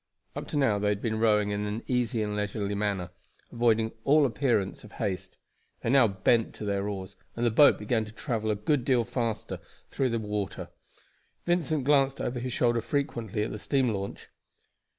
Up to now they had been rowing in an easy and leisurely manner, avoiding all appearance of haste. They now bent to their oars, and the boat began to travel a good deal faster through the water. Vincent glanced over his shoulder frequently at the steam launch.